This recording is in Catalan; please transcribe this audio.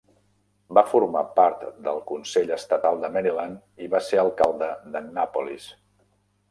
Va formar part del consell estatal de Maryland i va ser alcalde d'Annapolis.